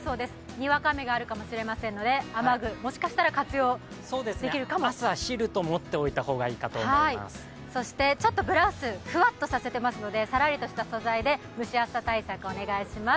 にわか雨があるかもしれませんので、雨具、もしかしたら活用できるかも朝、昼と持っておいたほうがいいと思うそしてブラウス、ふわっとさせていますので、サラリとした素材で蒸し暑さ対策、お願いします。